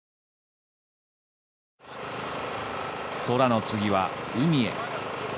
空の次は、海へ。